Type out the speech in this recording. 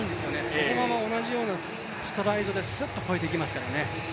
そのまま同じようなストライドですっと越えていきますからね。